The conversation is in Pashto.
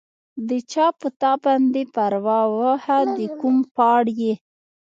د چا پۀ تا باندې پرواه، واښۀ د کوم پهاړ ئې